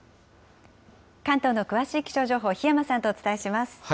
関東の詳しい気象情報、檜山さんとお伝えします。